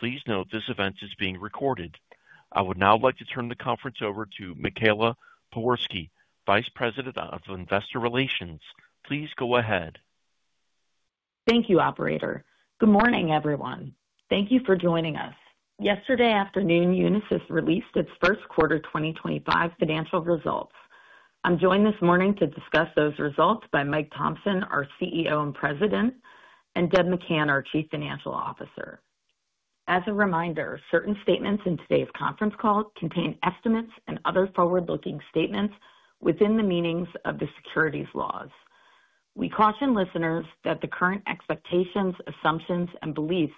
Please note this event is being recorded. I would now like to turn the conference over to Michaela Pewarski, Vice President of Investor Relations. Please go ahead. Thank you, Operator. Good morning, everyone. Thank you for joining us. Yesterday afternoon, Unisys released its first quarter 2025 financial results. I'm joined this morning to discuss those results by Mike Thomson, our CEO and President, and Deb McCann, our Chief Financial Officer. As a reminder, certain statements in today's conference call contain estimates and other forward-looking statements within the meanings of the securities laws. We caution listeners that the current expectations, assumptions, and beliefs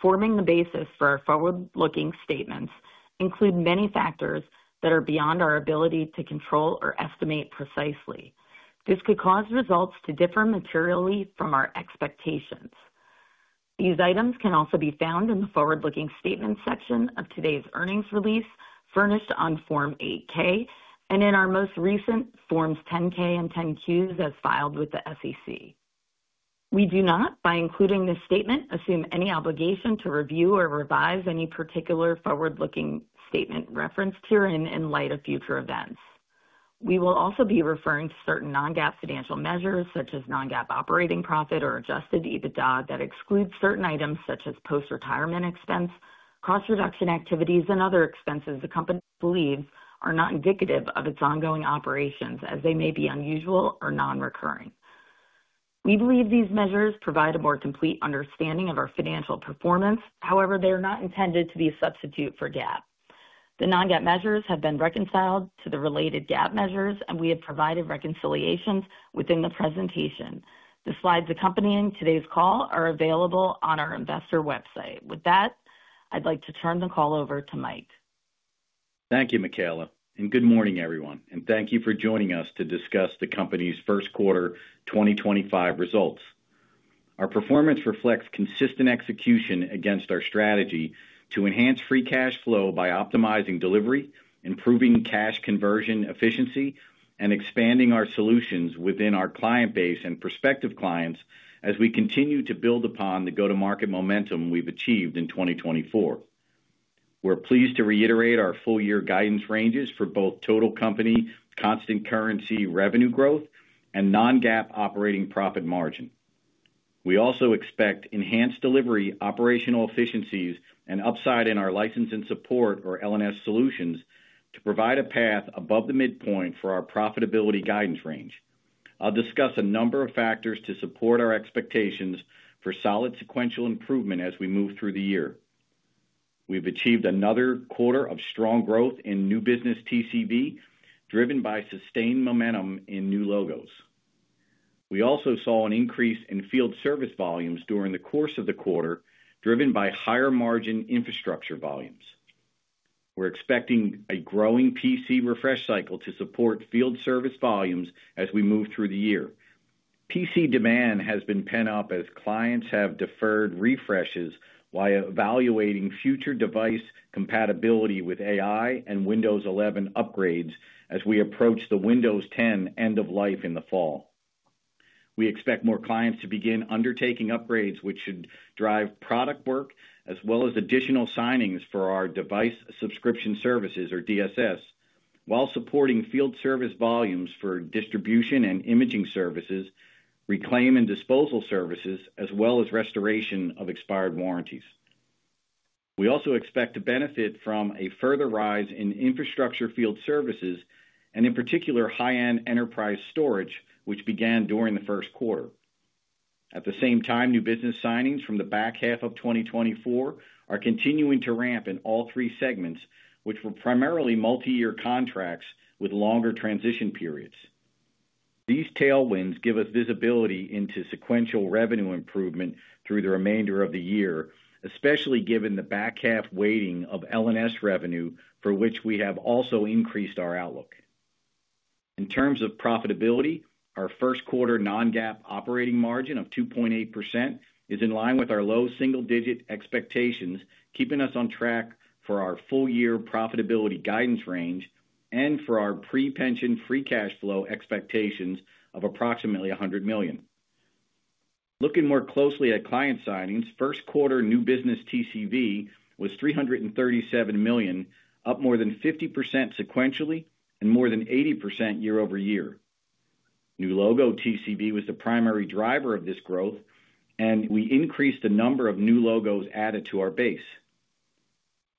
forming the basis for our forward-looking statements include many factors that are beyond our ability to control or estimate precisely. This could cause results to differ materially from our expectations. These items can also be found in the forward-looking statements section of today's earnings release, furnished on Form 8-K, and in our most recent Forms 10-K and 10-Qs as filed with the SEC. We do not, by including this statement, assume any obligation to review or revise any particular forward-looking statement referenced herein in light of future events. We will also be referring to certain non-GAAP financial measures, such as non-GAAP operating profit or adjusted EBITDA, that exclude certain items such as post-retirement expense, cost reduction activities, and other expenses the company believes are not indicative of its ongoing operations, as they may be unusual or non-recurring. We believe these measures provide a more complete understanding of our financial performance, however, they are not intended to be a substitute for GAAP. The non-GAAP measures have been reconciled to the related GAAP measures, and we have provided reconciliations within the presentation. The slides accompanying today's call are available on our investor website. With that, I'd like to turn the call over to Mike. Thank you, Michaela, and good morning, everyone. Thank you for joining us to discuss the company's first quarter 2025 results. Our performance reflects consistent execution against our strategy to enhance free cash flow by optimizing delivery, improving cash conversion efficiency, and expanding our solutions within our client base and prospective clients as we continue to build upon the go-to-market momentum we've achieved in 2024. We're pleased to reiterate our full-year guidance ranges for both total company constant currency revenue growth and non-GAAP operating profit margin. We also expect enhanced delivery, operational efficiencies, and upside in our license and support or L&S solutions to provide a path above the midpoint for our profitability guidance range. I'll discuss a number of factors to support our expectations for solid sequential improvement as we move through the year. We've achieved another quarter of strong growth in new business TCV, driven by sustained momentum in new logos. We also saw an increase in field service volumes during the course of the quarter, driven by higher margin infrastructure volumes. We're expecting a growing PC refresh cycle to support field service volumes as we move through the year. PC demand has been pent up as clients have deferred refreshes while evaluating future device compatibility with AI and Windows 11 upgrades as we approach the Windows 10 end of life in the fall. We expect more clients to begin undertaking upgrades, which should drive product work as well as additional signings for our Device Subscription Services, or DSS, while supporting field service volumes for distribution and imaging services, reclaim and disposal services, as well as restoration of expired warranties. We also expect to benefit from a further rise in infrastructure field services and, in particular, high-end enterprise storage, which began during the first quarter. At the same time, new business signings from the back half of 2024 are continuing to ramp in all three segments, which were primarily multi-year contracts with longer transition periods. These tailwinds give us visibility into sequential revenue improvement through the remainder of the year, especially given the back half weighting of L&S revenue, for which we have also increased our outlook. In terms of profitability, our first quarter non-GAAP operating margin of 2.8% is in line with our low single-digit expectations, keeping us on track for our full-year profitability guidance range and for our pre-pension free cash flow expectations of approximately $100 million. Looking more closely at client signings, first quarter new business TCV was $337 million, up more than 50% sequentially and more than 80% year-over-year. New logo TCV was the primary driver of this growth, and we increased the number of new logos added to our base.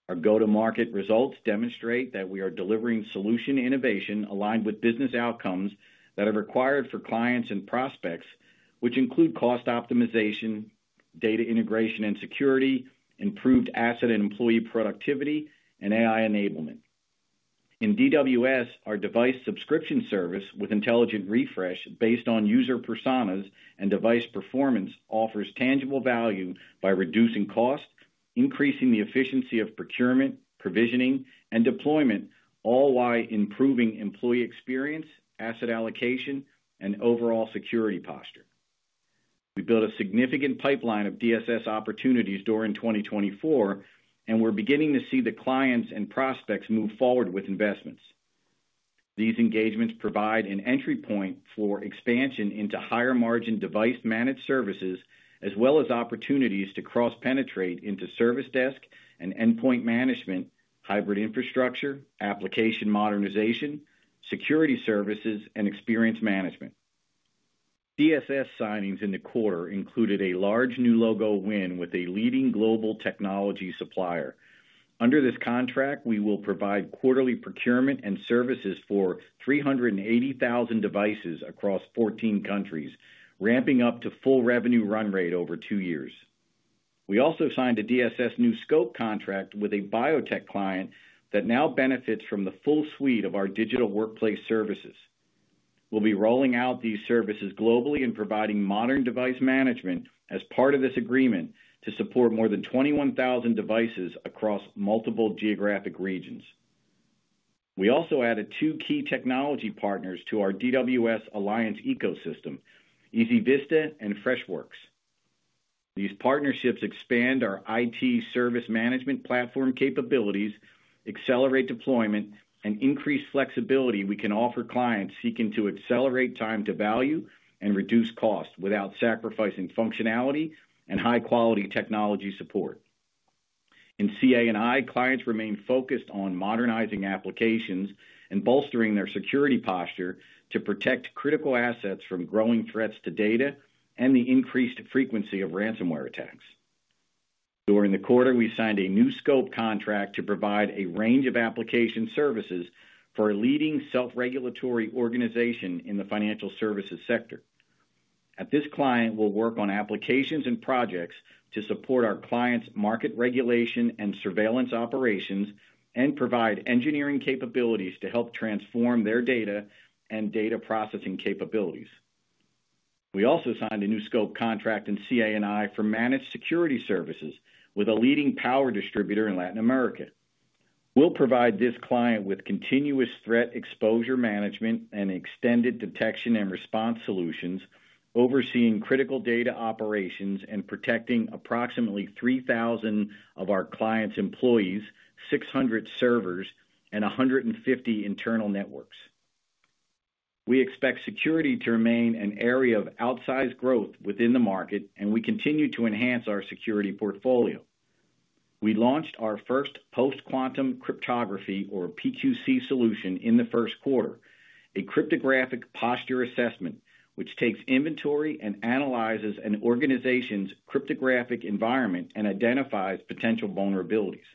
Our go-to-market results demonstrate that we are delivering solution innovation aligned with business outcomes that are required for clients and prospects, which include cost optimization, data integration and security, improved asset and employee productivity, and AI enablement. In DWS, our device subscription service with intelligent refresh based on user personas and device performance offers tangible value by reducing cost, increasing the efficiency of procurement, provisioning, and deployment, all while improving employee experience, asset allocation, and overall security posture. We built a significant pipeline of DSS opportunities during 2024, and we're beginning to see the clients and prospects move forward with investments. These engagements provide an entry point for expansion into higher-margin device managed services, as well as opportunities to cross-penetrate into service desk and endpoint management, hybrid infrastructure, application modernization, security services, and experience management. DSS signings in the quarter included a large new logo win with a leading global technology supplier. Under this contract, we will provide quarterly procurement and services for 380,000 devices across 14 countries, ramping up to full revenue run rate over two years. We also signed a DSS new scope contract with a biotech client that now benefits from the full suite of our digital workplace services. We'll be rolling out these services globally and providing modern device management as part of this agreement to support more than 21,000 devices across multiple geographic regions. We also added two key technology partners to our DWS Alliance ecosystem, EasyVista and Freshworks. These partnerships expand our IT service management platform capabilities, accelerate deployment, and increase flexibility we can offer clients seeking to accelerate time to value and reduce cost without sacrificing functionality and high-quality technology support. In CA&I, clients remain focused on modernizing applications and bolstering their security posture to protect critical assets from growing threats to data and the increased frequency of ransomware attacks. During the quarter, we signed a new scope contract to provide a range of application services for a leading self-regulatory organization in the financial services sector. At this client, we'll work on applications and projects to support our clients' market regulation and surveillance operations and provide engineering capabilities to help transform their data and data processing capabilities. We also signed a new scope contract in CA&I for managed security services with a leading power distributor in Latin America. We'll provide this client with continuous threat exposure management and extended detection and response solutions, overseeing critical data operations and protecting approximately 3,000 of our clients' employees, 600 servers, and 150 internal networks. We expect security to remain an area of outsized growth within the market, and we continue to enhance our security portfolio. We launched our first post-quantum cryptography, or PQC, solution in the first quarter, a cryptographic posture assessment, which takes inventory and analyzes an organization's cryptographic environment and identifies potential vulnerabilities.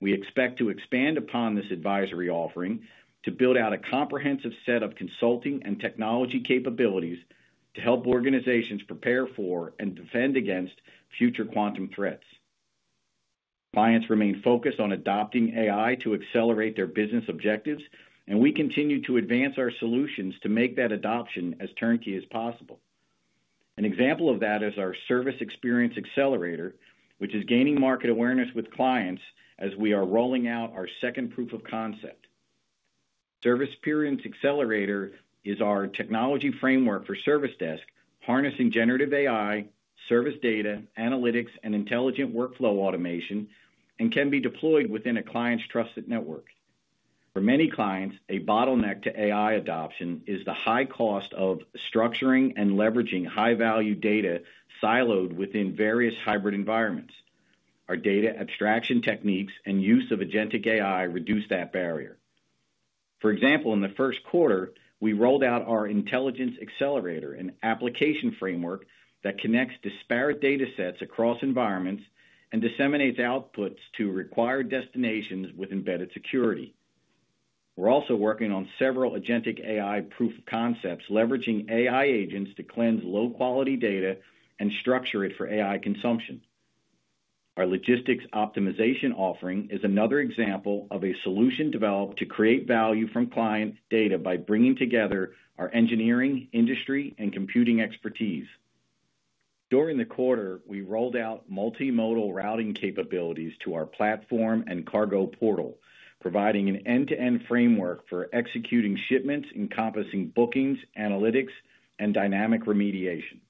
We expect to expand upon this advisory offering to build out a comprehensive set of consulting and technology capabilities to help organizations prepare for and defend against future quantum threats. Clients remain focused on adopting AI to accelerate their business objectives, and we continue to advance our solutions to make that adoption as turnkey as possible. An example of that is our Service Experience Accelerator, which is gaining market awareness with clients as we are rolling out our second proof of concept. Service Experience Accelerator is our technology framework for service desk, harnessing generative AI, service data, analytics, and intelligent workflow automation, and can be deployed within a client's trusted network. For many clients, a bottleneck to AI adoption is the high cost of structuring and leveraging high-value data siloed within various hybrid environments. Our data abstraction techniques and use of agentic AI reduce that barrier. For example, in the first quarter, we rolled out our Intelligence Accelerator, an application framework that connects disparate data sets across environments and disseminates outputs to required destinations with embedded security. We are also working on several agentic AI proof of concepts, leveraging AI agents to cleanse low-quality data and structure it for AI consumption. Our logistics optimization offering is another example of a solution developed to create value from client data by bringing together our engineering, industry, and computing expertise. During the quarter, we rolled out multimodal routing capabilities to our platform and Cargo Portal, providing an end-to-end framework for executing shipments encompassing bookings, analytics, and dynamic remediation.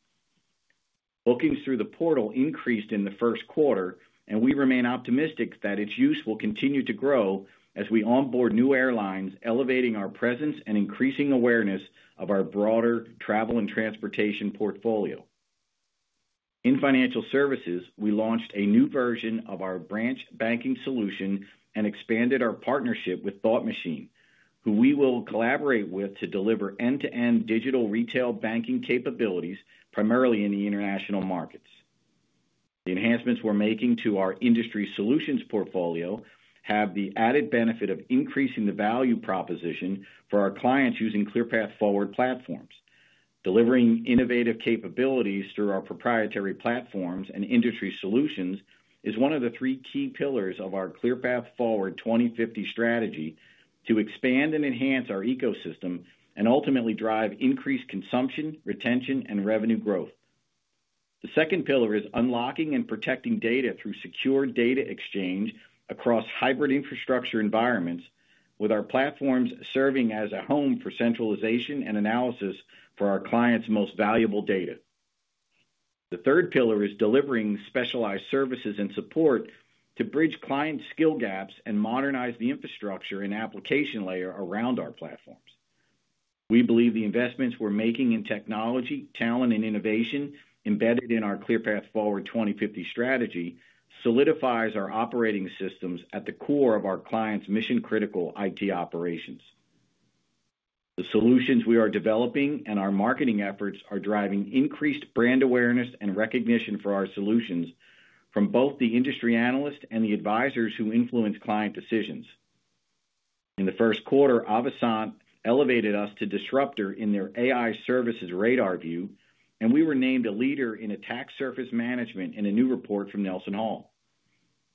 Bookings through the portal increased in the first quarter, and we remain optimistic that its use will continue to grow as we onboard new airlines, elevating our presence and increasing awareness of our broader travel and transportation portfolio. In financial services, we launched a new version of our Branch Banking Solution and expanded our partnership with Thought Machine, who we will collaborate with to deliver end-to-end digital retail banking capabilities, primarily in the international markets. The enhancements we're making to our industry solutions portfolio have the added benefit of increasing the value proposition for our clients using ClearPath Forward platforms. Delivering innovative capabilities through our proprietary platforms and industry solutions is one of the three key pillars of our ClearPath Forward 2050 strategy to expand and enhance our ecosystem and ultimately drive increased consumption, retention, and revenue growth. The second pillar is unlocking and protecting data through secure data exchange across hybrid infrastructure environments, with our platforms serving as a home for centralization and analysis for our clients' most valuable data. The third pillar is delivering specialized services and support to bridge clients' skill gaps and modernize the infrastructure and application layer around our platforms. We believe the investments we're making in technology, talent, and innovation embedded in our ClearPath Forward 2050 strategy solidifies our operating systems at the core of our clients' mission-critical IT operations. The solutions we are developing and our marketing efforts are driving increased brand awareness and recognition for our solutions from both the industry analysts and the advisors who influence client decisions. In the first quarter, Avasant elevated us to disruptor in their AI services radar view, and we were named a leader in attack surface management in a new report from NelsonHall.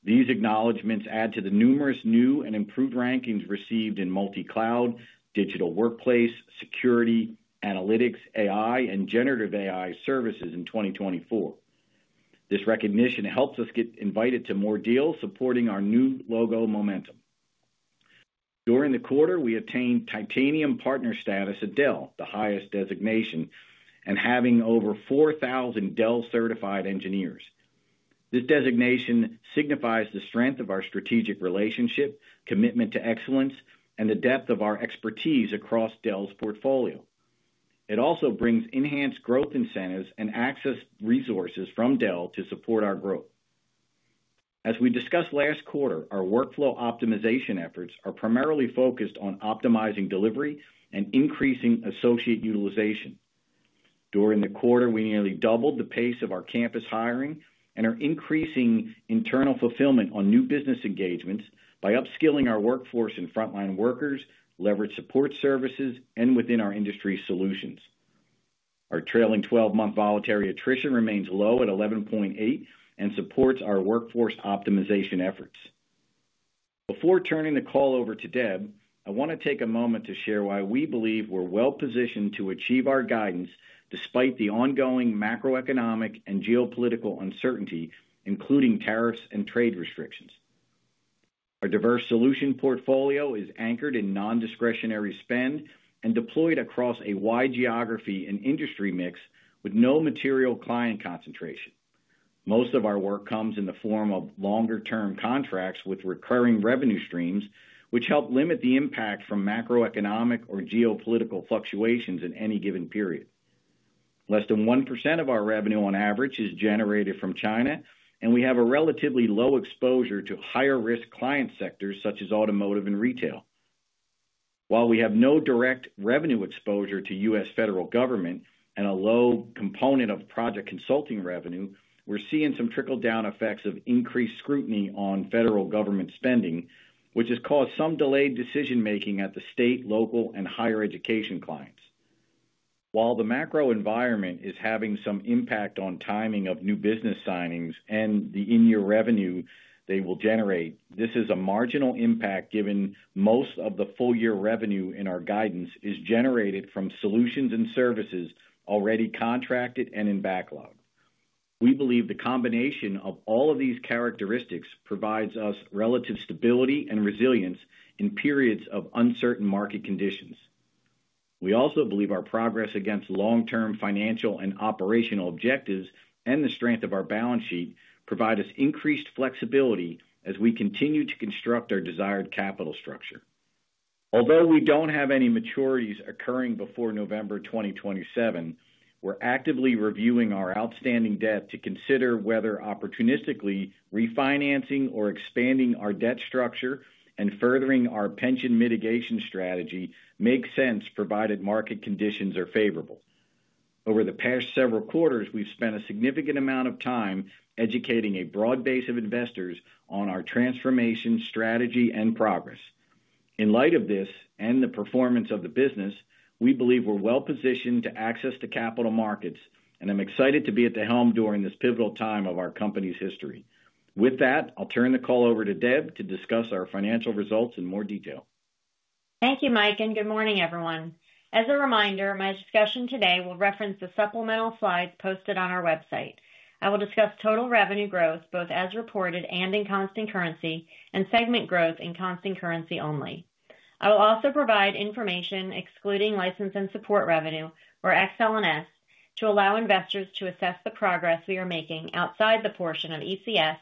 These acknowledgments add to the numerous new and improved rankings received in multi-cloud, digital workplace, security, analytics, AI, and generative AI services in 2024. This recognition helps us get invited to more deals, supporting our new logo momentum. During the quarter, we attained titanium partner status at Dell, the highest designation, and having over 4,000 Dell-certified engineers. This designation signifies the strength of our strategic relationship, commitment to excellence, and the depth of our expertise across Dell's portfolio. It also brings enhanced growth incentives and access resources from Dell to support our growth. As we discussed last quarter, our workflow optimization efforts are primarily focused on optimizing delivery and increasing associate utilization. During the quarter, we nearly doubled the pace of our campus hiring and are increasing internal fulfillment on new business engagements by upskilling our workforce and frontline workers, leveraged support services, and within our industry solutions. Our trailing 12-month voluntary attrition remains low at 11.8% and supports our workforce optimization efforts. Before turning the call over to Deb, I want to take a moment to share why we believe we're well-positioned to achieve our guidance despite the ongoing macroeconomic and geopolitical uncertainty, including tariffs and trade restrictions. Our diverse solution portfolio is anchored in non-discretionary spend and deployed across a wide geography and industry mix with no material client concentration. Most of our work comes in the form of longer-term contracts with recurring revenue streams, which help limit the impact from macroeconomic or geopolitical fluctuations in any given period. Less than 1% of our revenue on average is generated from China, and we have a relatively low exposure to higher-risk client sectors such as automotive and retail. While we have no direct revenue exposure to U.S. Federal government and a low component of project consulting revenue, we're seeing some trickle-down effects of increased scrutiny on federal government spending, which has caused some delayed decision-making at the state, local, and higher education clients. While the macro environment is having some impact on timing of new business signings and the in-year revenue they will generate, this is a marginal impact given most of the full-year revenue in our guidance is generated from solutions and services already contracted and in backlog. We believe the combination of all of these characteristics provides us relative stability and resilience in periods of uncertain market conditions. We also believe our progress against long-term financial and operational objectives and the strength of our balance sheet provide us increased flexibility as we continue to construct our desired capital structure. Although we don't have any maturities occurring before November 2027, we're actively reviewing our outstanding debt to consider whether opportunistically refinancing or expanding our debt structure and furthering our pension mitigation strategy makes sense provided market conditions are favorable. Over the past several quarters, we've spent a significant amount of time educating a broad base of investors on our transformation strategy and progress. In light of this and the performance of the business, we believe we're well-positioned to access the capital markets, and I'm excited to be at the helm during this pivotal time of our company's history. With that, I'll turn the call over to Deb to discuss our financial results in more detail. Thank you, Mike, and good morning, everyone. As a reminder, my discussion today will reference the supplemental slides posted on our website. I will discuss total revenue growth both as reported and in constant currency and segment growth in constant currency only. I will also provide information excluding license and support revenue, or XL&S, to allow investors to assess the progress we are making outside the portion of ECS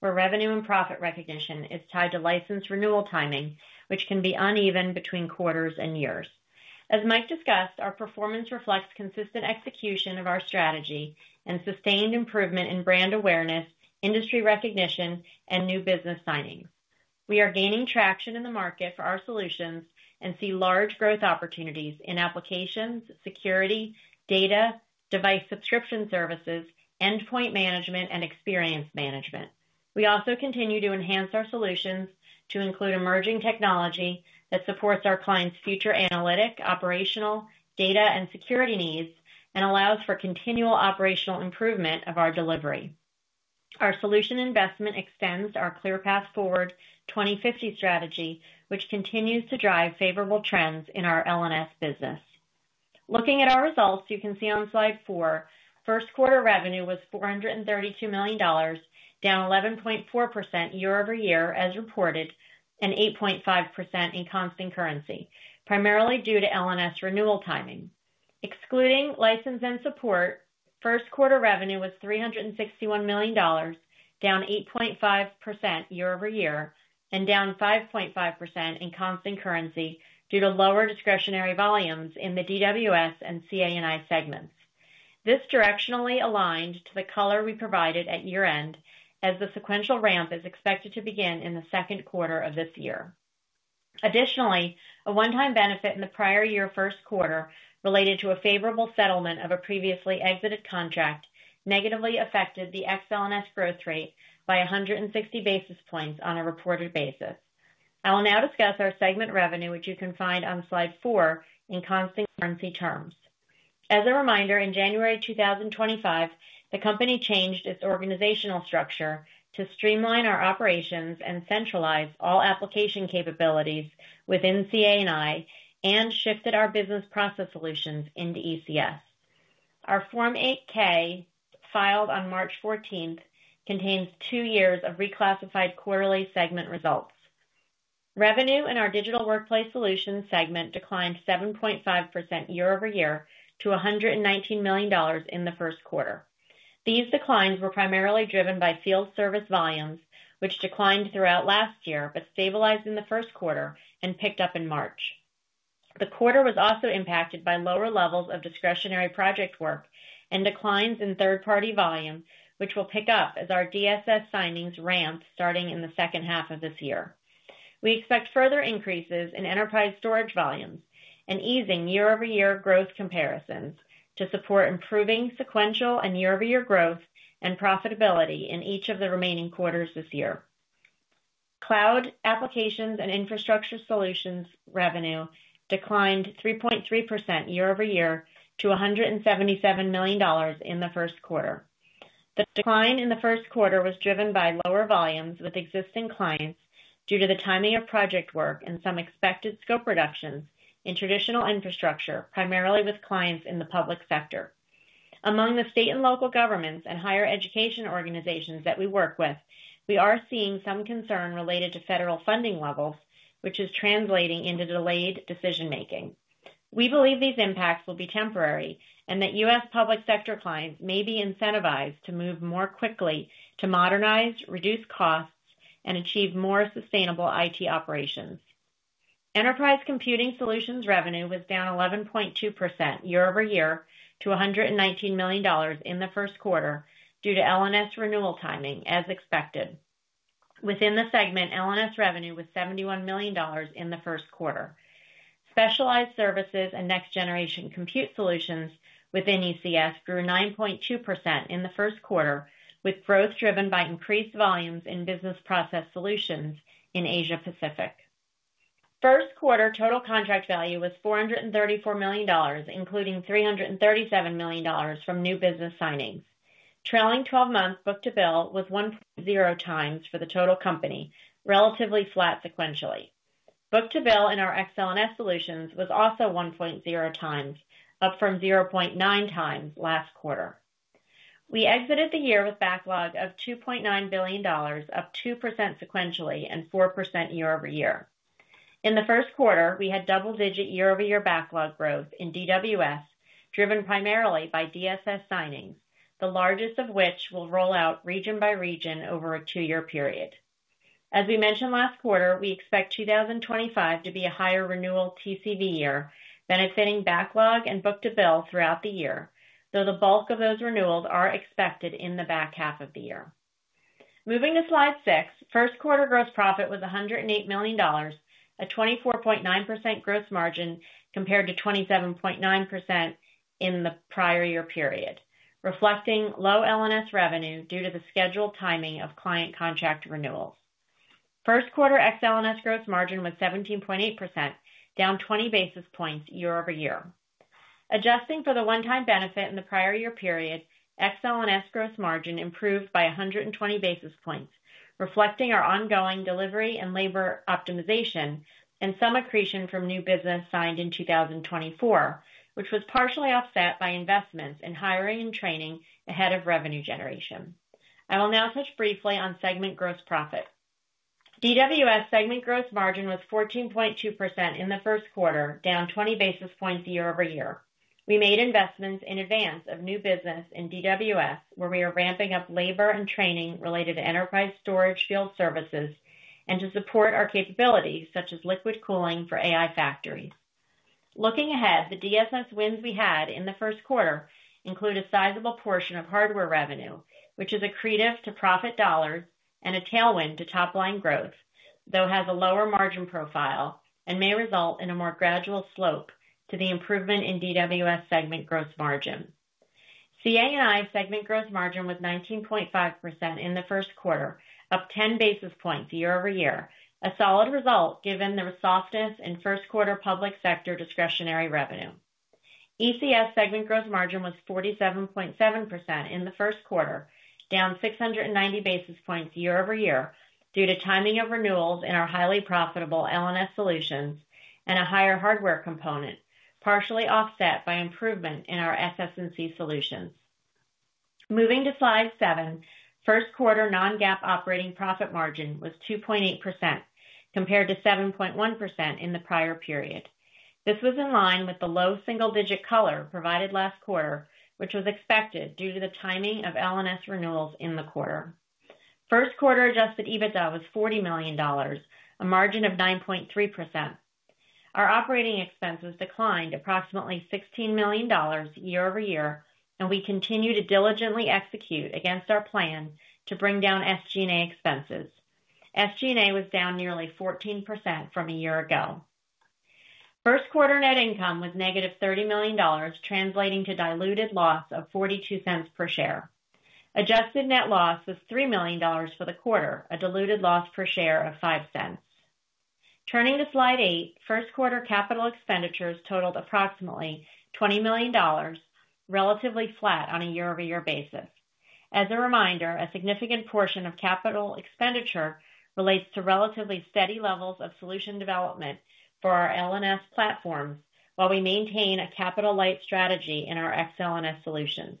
where revenue and profit recognition is tied to license renewal timing, which can be uneven between quarters and years. As Mike discussed, our performance reflects consistent execution of our strategy and sustained improvement in brand awareness, industry recognition, and new business signings. We are gaining traction in the market for our solutions and see large growth opportunities in applications, security, data, device subscription services, endpoint management, and experience management. We also continue to enhance our solutions to include emerging technology that supports our clients' future analytic, operational, data, and security needs and allows for continual operational improvement of our delivery. Our solution investment extends our ClearPath Forward 2050 strategy, which continues to drive favorable trends in our L&S business. Looking at our results, you can see on slide four, first quarter revenue was $432 million, down 11.4% year-over-year as reported, and 8.5% in constant currency, primarily due to L&S renewal timing. Excluding license and support, first quarter revenue was $361 million, down 8.5% year-over-year, and down 5.5% in constant currency due to lower discretionary volumes in the DWS and CA&I segments. This directionally aligned to the color we provided at year-end, as the sequential ramp is expected to begin in the second quarter of this year. Additionally, a one-time benefit in the prior year first quarter related to a favorable settlement of a previously exited contract negatively affected the XL&S growth rate by 160 basis points on a reported basis. I will now discuss our segment revenue, which you can find on slide four in constant currency terms. As a reminder, in January 2025, the company changed its organizational structure to streamline our operations and centralize all application capabilities within CA&I and shifted our business process solutions into ECS. Our Form 8-K filed on March 14 contains two years of reclassified quarterly segment results. Revenue in our Digital Workplace Solutions segment declined 7.5% year-over-year to $119 million in the first quarter. These declines were primarily driven by field service volumes, which declined throughout last year but stabilized in the first quarter and picked up in March. The quarter was also impacted by lower levels of discretionary project work and declines in third-party volume, which will pick up as our DSS signings ramp starting in the second half of this year. We expect further increases in enterprise storage volumes and easing year-over-year growth comparisons to support improving sequential and year-over-year growth and profitability in each of the remaining quarters this year. Cloud applications and infrastructure solutions revenue declined 3.3% year-over-year to $177 million in the first quarter. The decline in the first quarter was driven by lower volumes with existing clients due to the timing of project work and some expected scope reductions in traditional infrastructure, primarily with clients in the public sector. Among the state and local governments and higher education organizations that we work with, we are seeing some concern related to federal funding levels, which is translating into delayed decision-making. We believe these impacts will be temporary and that U.S. public sector clients may be incentivized to move more quickly to modernize, reduce costs, and achieve more sustainable IT operations. Enterprise computing solutions revenue was down 11.2% year-over-year to $119 million in the first quarter due to L&S renewal timing, as expected. Within the segment, L&S revenue was $71 million in the first quarter. Specialized services and next-generation compute solutions within ECS grew 9.2% in the first quarter, with growth driven by increased volumes in business process solutions in Asia-Pacific. First quarter total contract value was $434 million, including $337 million from new business signings. Trailing 12-month book-to-bill was 1.0x for the total company, relatively flat sequentially. Book-to-bill in our XL&S solutions was also 1.0x, up from 0.9x last quarter. We exited the year with backlog of $2.9 billion, up 2% sequentially and 4% year-over-year. In the first quarter, we had double-digit year-over-year backlog growth in DWS, driven primarily by DSS signings, the largest of which will roll out region by region over a two-year period. As we mentioned last quarter, we expect 2025 to be a higher renewal TCV year, benefiting backlog and book-to-bill throughout the year, though the bulk of those renewals are expected in the back half of the year. Moving to slide six, first quarter gross profit was $108 million, a 24.9% gross margin compared to 27.9% in the prior year period, reflecting low L&S revenue due to the scheduled timing of client contract renewals. First quarter XL&S gross margin was 17.8%, down 20 basis points year-over-year. Adjusting for the one-time benefit in the prior year period, XL&S gross margin improved by 120 basis points, reflecting our ongoing delivery and labor optimization and some accretion from new business signed in 2024, which was partially offset by investments in hiring and training ahead of revenue generation. I will now touch briefly on segment gross profit. DWS segment gross margin was 14.2% in the first quarter, down 20 basis points year-over-year. We made investments in advance of new business in DWS, where we are ramping up labor and training related to enterprise storage field services and to support our capabilities, such as liquid cooling for AI factories. Looking ahead, the DSS wins we had in the first quarter include a sizable portion of hardware revenue, which is accretive to profit dollars and a tailwind to top-line growth, though has a lower margin profile and may result in a more gradual slope to the improvement in DWS segment gross margin. CA&I segment gross margin was 19.5% in the first quarter, up 10 basis points year-over-year, a solid result given the softness in first quarter public sector discretionary revenue. ECS segment gross margin was 47.7% in the first quarter, down 690 basis points year-over-year due to timing of renewals in our highly profitable L&S solutions and a higher hardware component, partially offset by improvement in our SS&C solutions. Moving to slide seven, first quarter non-GAAP operating profit margin was 2.8% compared to 7.1% in the prior period. This was in line with the low single-digit color provided last quarter, which was expected due to the timing of L&S renewals in the quarter. First quarter adjusted EBITDA was $40 million, a margin of 9.3%. Our operating expense was declined approximately $16 million year-over-year, and we continue to diligently execute against our plan to bring down SG&A expenses. SG&A was down nearly 14% from a year ago. First quarter net income was negative $30 million, translating to diluted loss of $0.42 per share. Adjusted net loss was $3 million for the quarter, a diluted loss per share of $0.05. Turning to slide eight, first quarter capital expenditures totaled approximately $20 million, relatively flat on a year-over-year basis. As a reminder, a significant portion of capital expenditure relates to relatively steady levels of solution development for our L&S platforms while we maintain a capital-light strategy in our XL&S solutions.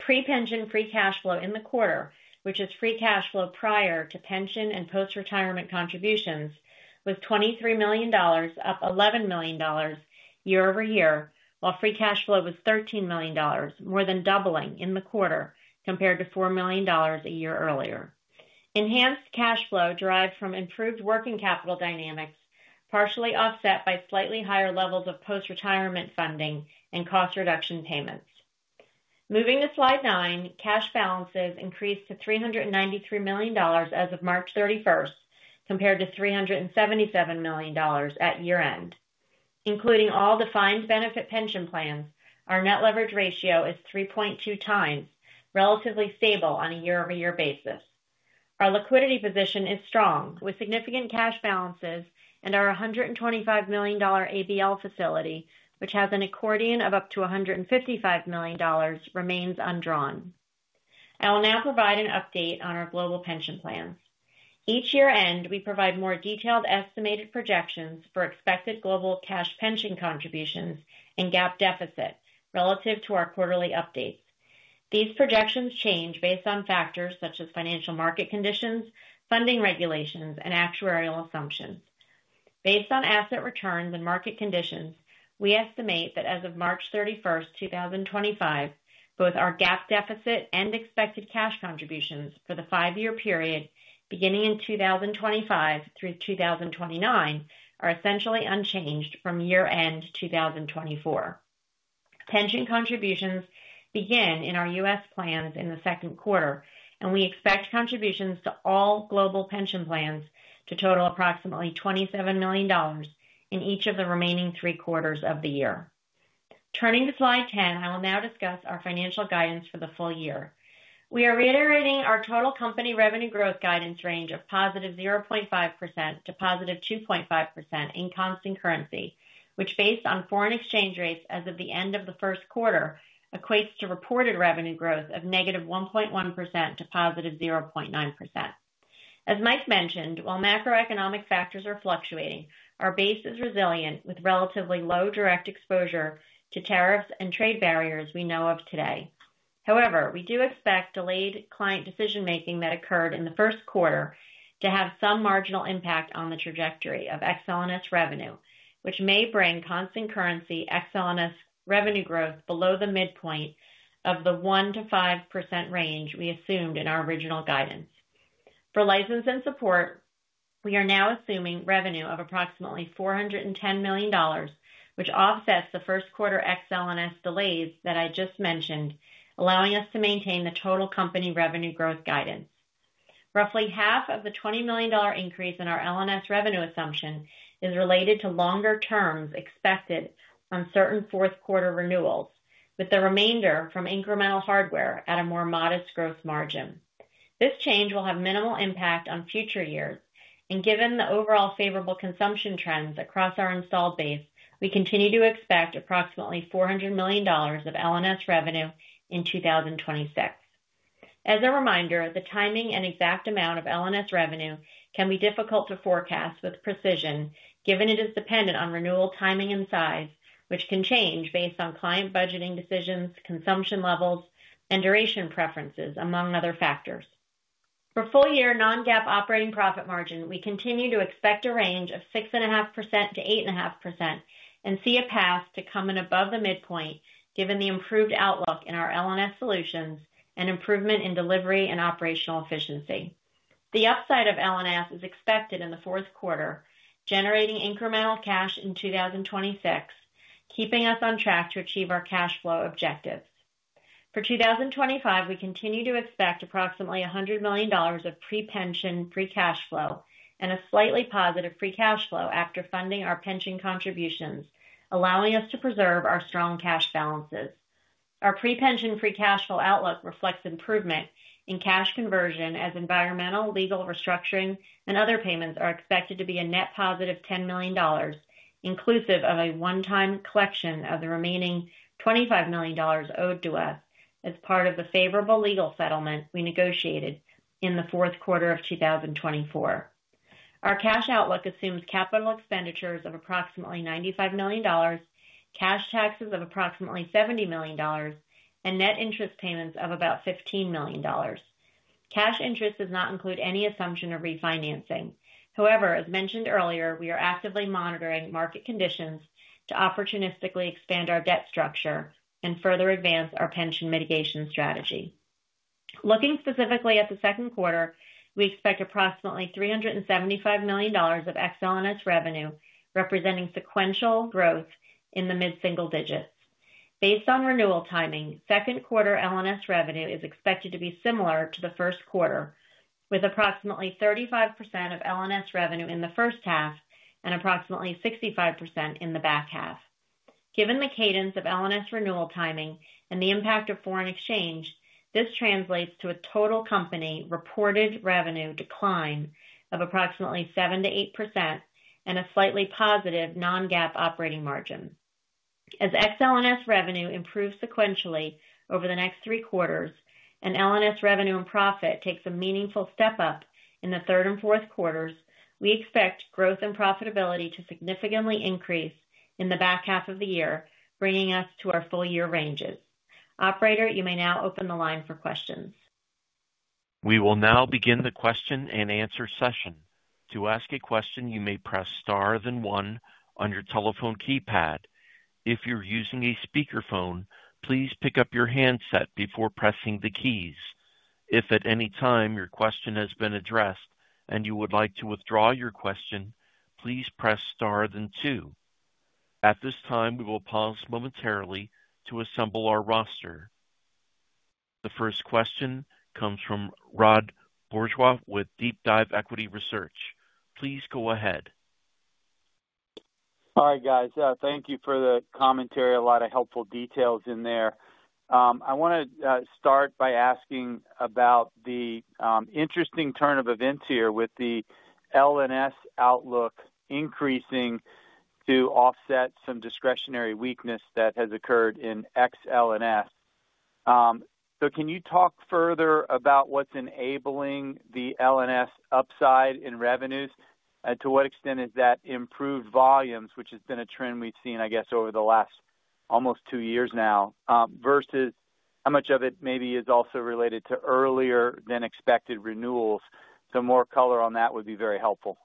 Pre-pension free cash flow in the quarter, which is free cash flow prior to pension and post-retirement contributions, was $23 million, up $11 million year-over-year, while free cash flow was $13 million, more than doubling in the quarter compared to $4 million a year earlier. Enhanced cash flow derived from improved working capital dynamics, partially offset by slightly higher levels of post-retirement funding and cost reduction payments. Moving to slide nine, cash balances increased to $393 million as of March 31st compared to $377 million at year-end. Including all defined benefit pension plans, our net leverage ratio is 3.2x, relatively stable on a year-over-year basis. Our liquidity position is strong, with significant cash balances and our $125 million ABL facility, which has an accordion of up to $155 million, remains undrawn. I will now provide an update on our global pension plans. Each year-end, we provide more detailed estimated projections for expected global cash pension contributions and gap deficit relative to our quarterly updates. These projections change based on factors such as financial market conditions, funding regulations, and actuarial assumptions. Based on asset returns and market conditions, we estimate that as of March 31st, 2025, both our gap deficit and expected cash contributions for the five-year period beginning in 2025 through 2029 are essentially unchanged from year-end 2024. Pension contributions begin in our U.S. plans in the second quarter, and we expect contributions to all global pension plans to total approximately $27 million in each of the remaining three quarters of the year. Turning to slide 10, I will now discuss our financial guidance for the full year. We are reiterating our total company revenue growth guidance range of +0.5% to +2.5% in constant currency, which, based on foreign exchange rates as of the end of the first quarter, equates to reported revenue growth of -1.1% to +0.9%. As Mike mentioned, while macroeconomic factors are fluctuating, our base is resilient with relatively low direct exposure to tariffs and trade barriers we know of today. However, we do expect delayed client decision-making that occurred in the first quarter to have some marginal impact on the trajectory of XL&S revenue, which may bring constant currency XL&S revenue growth below the midpoint of the 1-5% range we assumed in our original guidance. For license and support, we are now assuming revenue of approximately $410 million, which offsets the first quarter XL&S delays that I just mentioned, allowing us to maintain the total company revenue growth guidance. Roughly half of the $20 million increase in our L&S revenue assumption is related to longer terms expected on certain fourth quarter renewals, with the remainder from incremental hardware at a more modest gross margin. This change will have minimal impact on future years, and given the overall favorable consumption trends across our installed base, we continue to expect approximately $400 million of L&S revenue in 2026. As a reminder, the timing and exact amount of L&S revenue can be difficult to forecast with precision, given it is dependent on renewal timing and size, which can change based on client budgeting decisions, consumption levels, and duration preferences, among other factors. For full-year non-GAAP operating profit margin, we continue to expect a range of 6.5%-8.5% and see a path to come in above the midpoint, given the improved outlook in our L&S solutions and improvement in delivery and operational efficiency. The upside of L&S is expected in the fourth quarter, generating incremental cash in 2026, keeping us on track to achieve our cash flow objectives. For 2025, we continue to expect approximately $100 million of pre-pension free cash flow and a slightly positive free cash flow after funding our pension contributions, allowing us to preserve our strong cash balances. Our pre-pension free cash flow outlook reflects improvement in cash conversion, as environmental, legal restructuring, and other payments are expected to be a net positive $10 million, inclusive of a one-time collection of the remaining $25 million owed to us as part of the favorable legal settlement we negotiated in the fourth quarter of 2024. Our cash outlook assumes capital expenditures of approximately $95 million, cash taxes of approximately $70 million, and net interest payments of about $15 million. Cash interest does not include any assumption of refinancing. However, as mentioned earlier, we are actively monitoring market conditions to opportunistically expand our debt structure and further advance our pension mitigation strategy. Looking specifically at the second quarter, we expect approximately $375 million of XL&S revenue, representing sequential growth in the mid-single digits. Based on renewal timing, second quarter L&S revenue is expected to be similar to the first quarter, with approximately 35% of L&S revenue in the first half and approximately 65% in the back half. Given the cadence of L&S renewal timing and the impact of foreign exchange, this translates to a total company reported revenue decline of approximately 7-8% and a slightly positive non-GAAP operating margin. As XL&S revenue improves sequentially over the next three quarters and L&S revenue and profit takes a meaningful step up in the third and fourth quarters, we expect growth and profitability to significantly increase in the back half of the year, bringing us to our full-year ranges. Operator, you may now open the line for questions. We will now begin the question and answer session. To ask a question, you may press star then one on your telephone keypad. If you're using a speakerphone, please pick up your handset before pressing the keys. If at any time your question has been addressed and you would like to withdraw your question, please press star then two. At this time, we will pause momentarily to assemble our roster. The first question comes from Rod Bourgeois with DeepDive Equity Research. Please go ahead. All right, guys. Thank you for the commentary. A lot of helpful details in there. I want to start by asking about the interesting turn of events here with the L&S outlook increasing to offset some discretionary weakness that has occurred in XL&S. Can you talk further about what's enabling the L&S upside in revenues? To what extent has that improved volumes, which has been a trend we've seen, I guess, over the last almost two years now, versus how much of it maybe is also related to earlier-than-expected renewals? More color on that would be very helpful.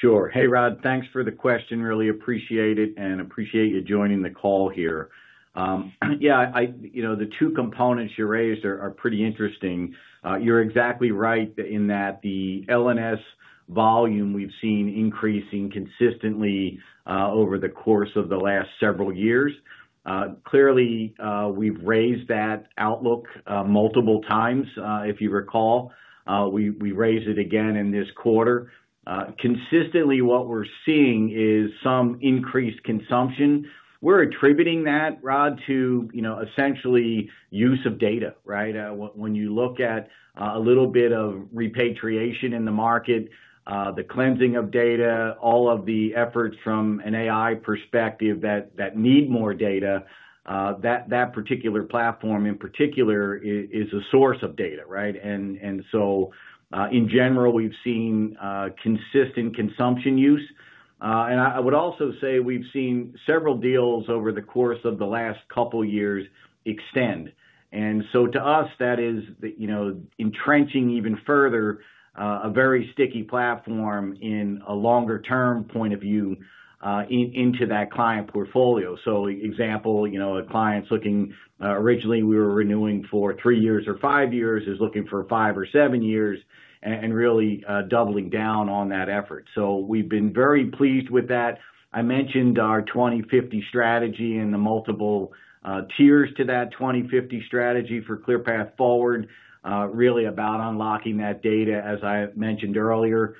Sure. Hey, Rod, thanks for the question. Really appreciate it and appreciate you joining the call here. Yeah, the two components you raised are pretty interesting. You're exactly right in that the L&S volume we've seen increasing consistently over the course of the last several years. Clearly, we've raised that outlook multiple times, if you recall. We raised it again in this quarter. Consistently, what we're seeing is some increased consumption. We're attributing that, Rod, to essentially use of data, right? When you look at a little bit of repatriation in the market, the cleansing of data, all of the efforts from an AI perspective that need more data, that particular platform in particular is a source of data, right? In general, we've seen consistent consumption use. I would also say we've seen several deals over the course of the last couple of years extend. To us, that is entrenching even further a very sticky platform in a longer-term point of view into that client portfolio. For example, a client is looking, originally we were renewing for three years or five years, is looking for five or seven years and really doubling down on that effort. We've been very pleased with that. I mentioned our 2050 strategy and the multiple tiers to that 2050 strategy for ClearPath Forward, really about unlocking that data, as I mentioned earlier,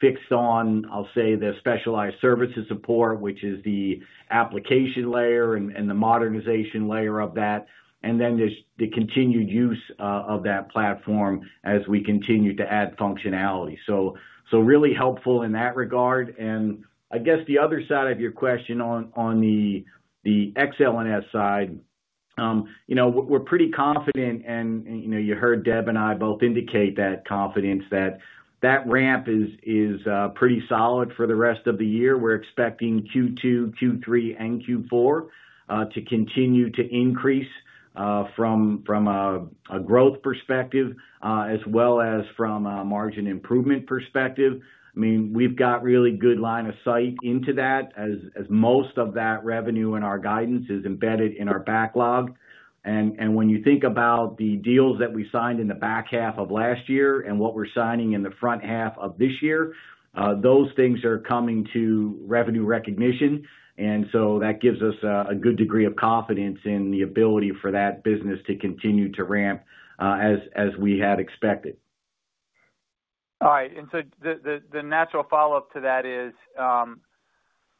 fixed on, I'll say, the specialized services support, which is the application layer and the modernization layer of that, and then the continued use of that platform as we continue to add functionality. Really helpful in that regard. I guess the other side of your question on the XL&S side, we're pretty confident, and you heard Deb and I both indicate that confidence that that ramp is pretty solid for the rest of the year. We're expecting Q2, Q3, and Q4 to continue to increase from a growth perspective as well as from a margin improvement perspective. I mean, we've got really good line of sight into that, as most of that revenue in our guidance is embedded in our backlog. When you think about the deals that we signed in the back half of last year and what we're signing in the front half of this year, those things are coming to revenue recognition. That gives us a good degree of confidence in the ability for that business to continue to ramp as we had expected. All right. The natural follow-up to that is,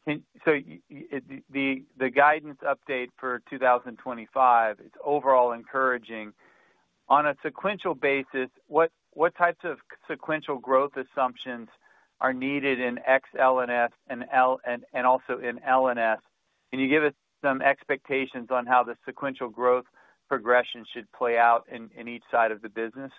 the guidance update for 2025 is overall encouraging. On a sequential basis, what types of sequential growth assumptions are needed in XL&S and also in L&S? Can you give us some expectations on how the sequential growth progression should play out in each side of the business?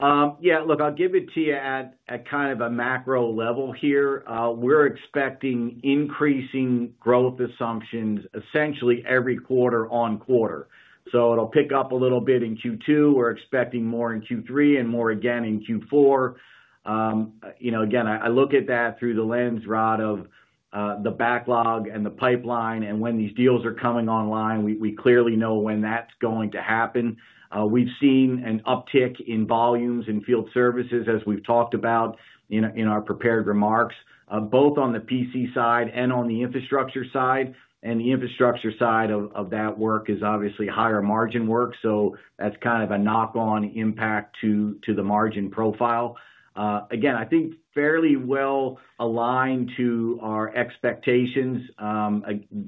Yeah. Look, I'll give it to you at kind of a macro level here. We're expecting increasing growth assumptions essentially every quarter on quarter. It will pick up a little bit in Q2. We're expecting more in Q3 and more again in Q4. Again, I look at that through the lens, Rod, of the backlog and the pipeline, and when these deals are coming online, we clearly know when that's going to happen. We've seen an uptick in volumes in field services, as we've talked about in our prepared remarks, both on the PC side and on the infrastructure side. The infrastructure side of that work is obviously higher margin work. That's kind of a knock-on impact to the margin profile. Again, I think fairly well aligned to our expectations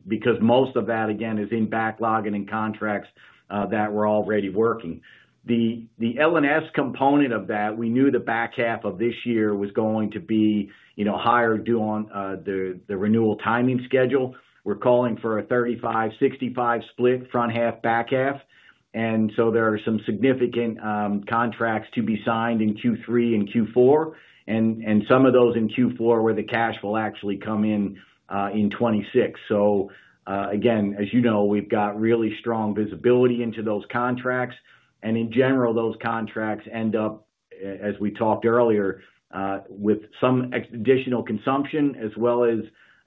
because most of that, again, is in backlog and in contracts that we're already working. The L&S component of that, we knew the back half of this year was going to be higher due on the renewal timing schedule. We're calling for a 35%-65% split, front half, back half. There are some significant contracts to be signed in Q3 and Q4. Some of those in Q4 where the cash will actually come in in 2026. Again, as you know, we've got really strong visibility into those contracts. In general, those contracts end up, as we talked earlier, with some additional consumption as well as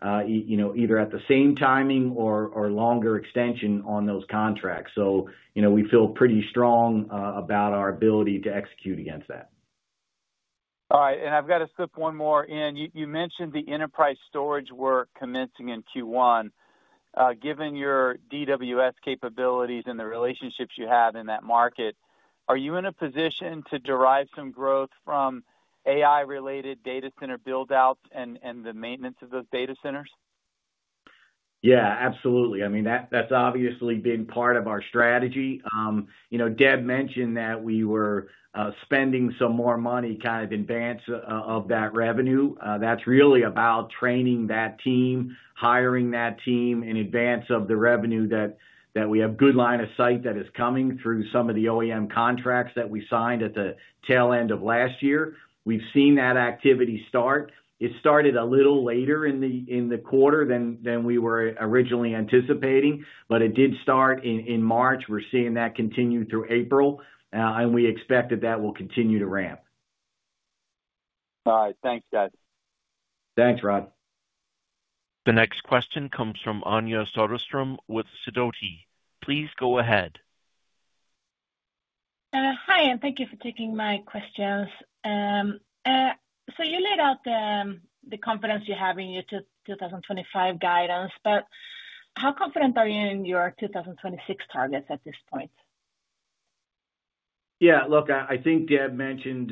either at the same timing or longer extension on those contracts. We feel pretty strong about our ability to execute against that. All right. I've got to slip one more in. You mentioned the enterprise storage work commencing in Q1. Given your DWS capabilities and the relationships you have in that market, are you in a position to derive some growth from AI-related data center buildouts and the maintenance of those data centers? Yeah, absolutely. I mean, that's obviously been part of our strategy. Deb mentioned that we were spending some more money kind of in advance of that revenue. That's really about training that team, hiring that team in advance of the revenue that we have good line of sight that is coming through some of the OEM contracts that we signed at the tail end of last year. We've seen that activity start. It started a little later in the quarter than we were originally anticipating, but it did start in March. We're seeing that continue through April, and we expect that that will continue to ramp. All right. Thanks, guys. Thanks, Rod. The next question comes from Anja Soderstrom with Sidoti. Please go ahead. Hi, and thank you for taking my questions. You laid out the confidence you have in your 2025 guidance, but how confident are you in your 2026 targets at this point? Yeah. Look, I think Deb mentioned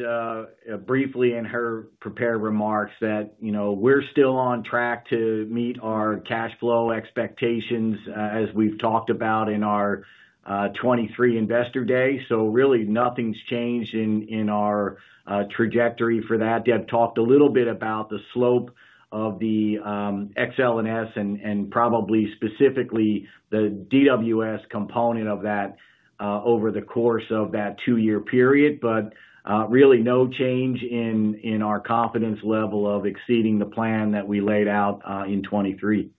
briefly in her prepared remarks that we're still on track to meet our cash flow expectations as we've talked about in our 2023 Investor Day. Really, nothing's changed in our trajectory for that. Deb talked a little bit about the slope of the XL&S and probably specifically the DWS component of that over the course of that two-year period, but really no change in our confidence level of exceeding the plan that we laid out in 2023.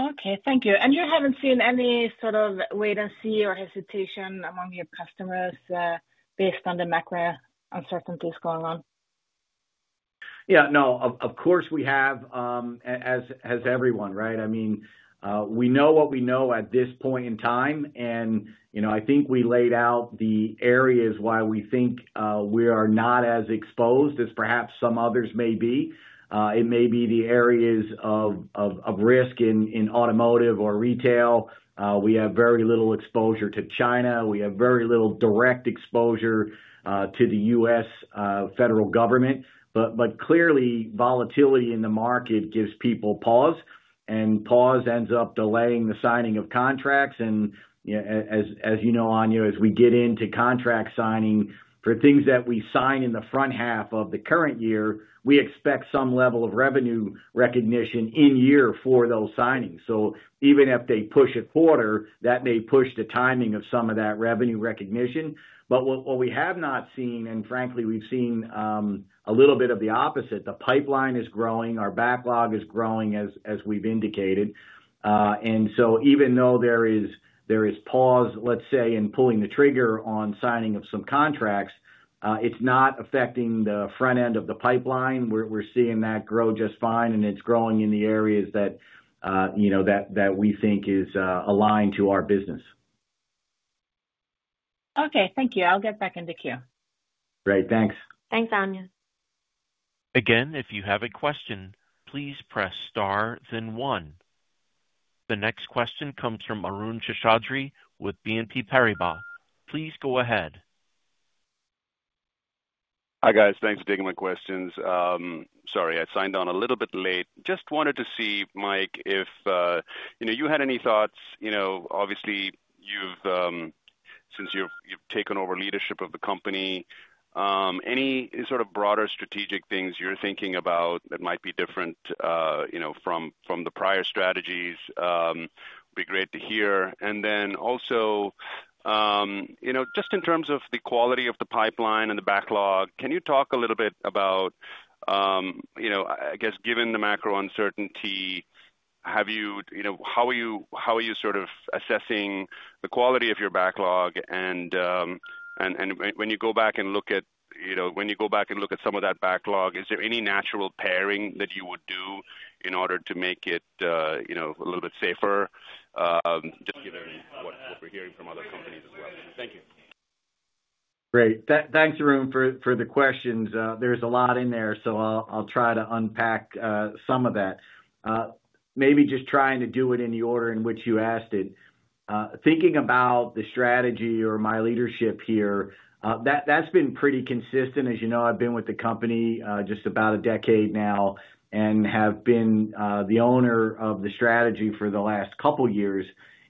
Okay. Thank you. You haven't seen any sort of wait and see or hesitation among your customers based on the macro uncertainties going on? Yeah. No, of course we have, as everyone, right? I mean, we know what we know at this point in time, and I think we laid out the areas why we think we are not as exposed as perhaps some others may be. It may be the areas of risk in automotive or retail. We have very little exposure to China. We have very little direct exposure to the U.S. federal government. Clearly, volatility in the market gives people pause, and pause ends up delaying the signing of contracts. As you know, Anja, as we get into contract signing, for things that we sign in the front half of the current year, we expect some level of revenue recognition in year for those signings. Even if they push a quarter, that may push the timing of some of that revenue recognition. What we have not seen, and frankly, we've seen a little bit of the opposite. The pipeline is growing. Our backlog is growing as we've indicated. Even though there is pause, let's say, in pulling the trigger on signing of some contracts, it's not affecting the front end of the pipeline. We're seeing that grow just fine, and it's growing in the areas that we think are aligned to our business. Okay. Thank you. I'll get back into queue. Great. Thanks. Thanks, Anja. Again, if you have a question, please press star then one. The next question comes from Arun Seshadri with BNP Paribas. Please go ahead. Hi, guys. Thanks for taking my questions. Sorry, I signed on a little bit late. Just wanted to see, Mike, if you had any thoughts. Obviously, since you've taken over leadership of the company, any sort of broader strategic things you're thinking about that might be different from the prior strategies? It'd be great to hear. Also, just in terms of the quality of the pipeline and the backlog, can you talk a little bit about, I guess, given the macro uncertainty, how are you sort of assessing the quality of your backlog? When you go back and look at some of that backlog, is there any natural pairing that you would do in order to make it a little bit safer? Just give everyone what we're hearing from other companies as well. Thank you. Great. Thanks, Arun, for the questions. There's a lot in there, so I'll try to unpack some of that. Maybe just trying to do it in the order in which you asked it. Thinking about the strategy or my leadership here, that's been pretty consistent. As you know, I've been with the company just about a decade now and have been the owner of the strategy for the last couple of years.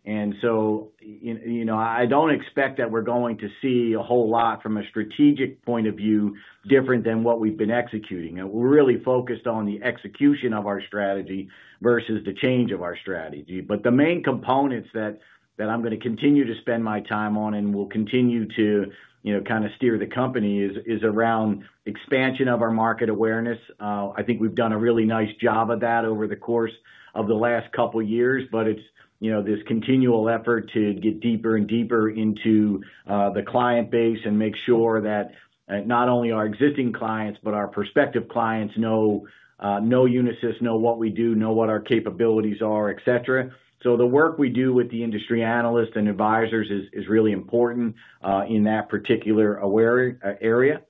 I don't expect that we're going to see a whole lot from a strategic point of view different than what we've been executing. We're really focused on the execution of our strategy versus the change of our strategy. The main components that I'm going to continue to spend my time on and will continue to kind of steer the company is around expansion of our market awareness. I think we've done a really nice job of that over the course of the last couple of years, but it's this continual effort to get deeper and deeper into the client base and make sure that not only our existing clients, but our prospective clients know Unisys, know what we do, know what our capabilities are, etc. The work we do with the industry analysts and advisors is really important in that particular area.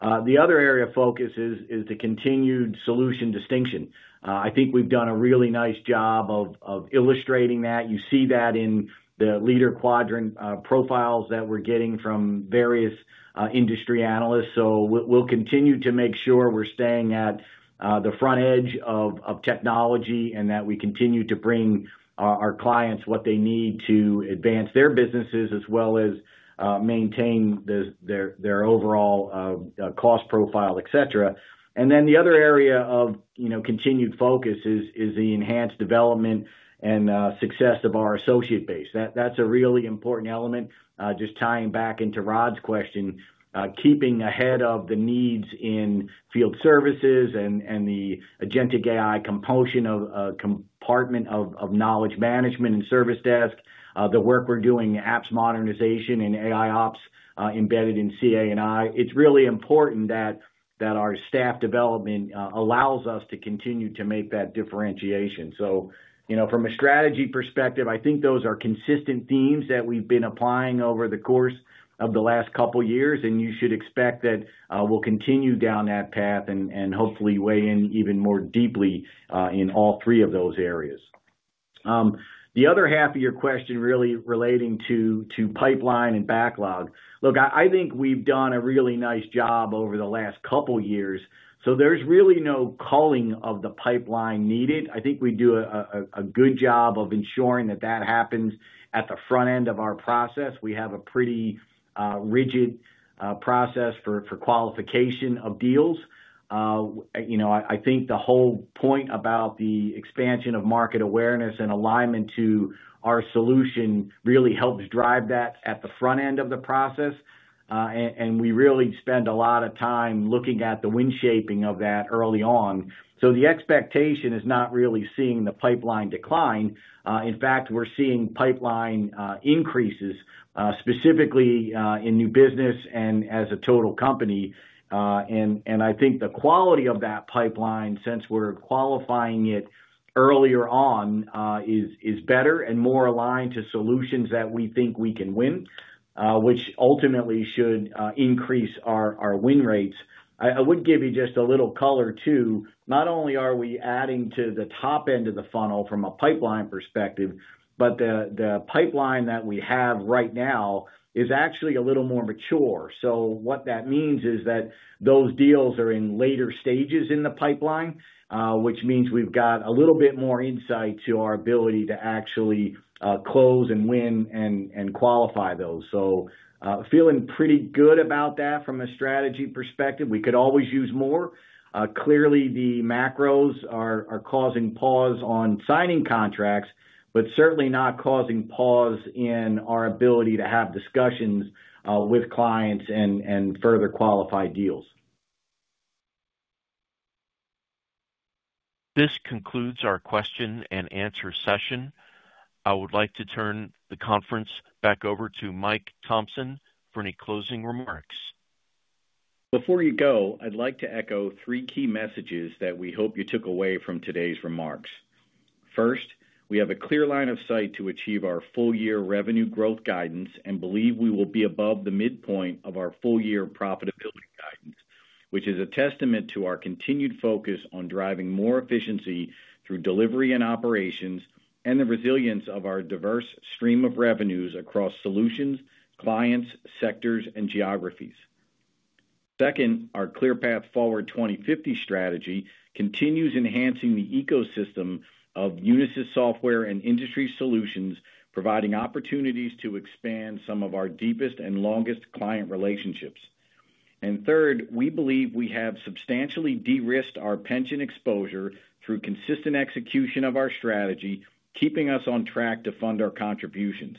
The other area of focus is the continued solution distinction. I think we've done a really nice job of illustrating that. You see that in the leader quadrant profiles that we're getting from various industry analysts. We will continue to make sure we're staying at the front edge of technology and that we continue to bring our clients what they need to advance their businesses as well as maintain their overall cost profile, etc. The other area of continued focus is the enhanced development and success of our associate base. That's a really important element. Just tying back into Rod's question, keeping ahead of the needs in field services and the agentic AI compulsion of a compartment of knowledge management and service desk, the work we're doing, apps modernization, and AI ops embedded in CA&I, it's really important that our staff development allows us to continue to make that differentiation. From a strategy perspective, I think those are consistent themes that we've been applying over the course of the last couple of years, and you should expect that we'll continue down that path and hopefully weigh in even more deeply in all three of those areas. The other half of your question really relating to pipeline and backlog. Look, I think we've done a really nice job over the last couple of years. There is really no calling of the pipeline needed. I think we do a good job of ensuring that that happens at the front end of our process. We have a pretty rigid process for qualification of deals. I think the whole point about the expansion of market awareness and alignment to our solution really helps drive that at the front end of the process. We really spend a lot of time looking at the windshaping of that early on. The expectation is not really seeing the pipeline decline. In fact, we are seeing pipeline increases specifically in new business and as a total company. I think the quality of that pipeline since we're qualifying it earlier on is better and more aligned to solutions that we think we can win, which ultimately should increase our win rates. I would give you just a little color too. Not only are we adding to the top end of the funnel from a pipeline perspective, but the pipeline that we have right now is actually a little more mature. What that means is that those deals are in later stages in the pipeline, which means we've got a little bit more insight to our ability to actually close and win and qualify those. Feeling pretty good about that from a strategy perspective. We could always use more. Clearly, the macros are causing pause on signing contracts, but certainly not causing pause in our ability to have discussions with clients and further qualify deals. This concludes our question and answer session. I would like to turn the conference back over to Mike Thomson for any closing remarks. Before you go, I'd like to echo three key messages that we hope you took away from today's remarks. First, we have a clear line of sight to achieve our full-year revenue growth guidance and believe we will be above the midpoint of our full-year profitability guidance, which is a testament to our continued focus on driving more efficiency through delivery and operations and the resilience of our diverse stream of revenues across solutions, clients, sectors, and geographies. Second, our ClearPath Forward 2050 strategy continues enhancing the ecosystem of Unisys software and industry solutions, providing opportunities to expand some of our deepest and longest client relationships. Third, we believe we have substantially de-risked our pension exposure through consistent execution of our strategy, keeping us on track to fund our contributions.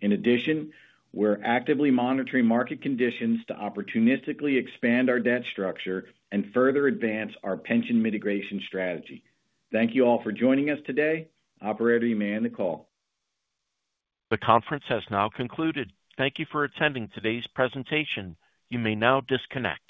In addition, we're actively monitoring market conditions to opportunistically expand our debt structure and further advance our pension mitigation strategy. Thank you all for joining us today. I'll forever remain the call. The conference has now concluded. Thank you for attending today's presentation. You may now disconnect.